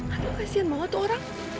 aduh kasihan banget orang